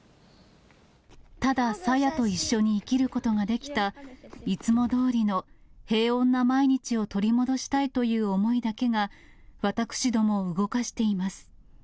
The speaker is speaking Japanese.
ただ朝芽と一緒に生きることができた、いつもどおりの、平穏な毎日を取り戻したいという思いだけが、私どもを動かしています。